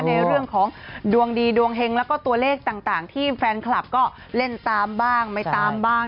ในเรื่องของดวงดีดวงเฮงแล้วก็ตัวเลขต่างที่แฟนคลับก็เล่นตามบ้างไม่ตามบ้าง